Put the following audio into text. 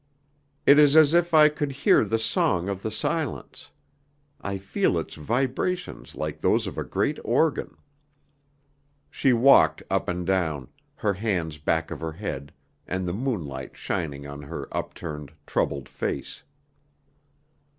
It is as if I could hear the song of the silence, I feel its vibrations like those of a great organ." She walked up and down, her hands back of her head, and the moonlight shining on her upturned, troubled face.